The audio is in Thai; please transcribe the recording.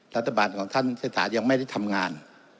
รัฐบาลของท่านเศรษฐายังไม่ได้ทำงาน